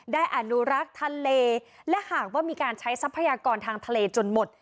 อนุรักษ์ทะเลและหากว่ามีการใช้ทรัพยากรทางทะเลจนหมด